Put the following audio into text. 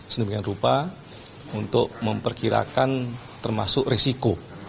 sedemikian rupa untuk memperkirakan termasuk risiko